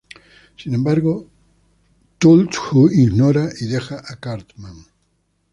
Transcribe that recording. Sin embargo, Cthulhu ignora y deja a Cartman.